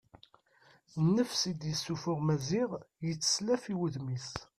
Nnefs i d-yessuffuɣ Maziɣ yetteslaf i wudem-is.